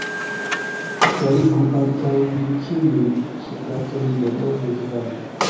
Faligu antaŭ li ĉiujn soldatojn de l' reĝlando!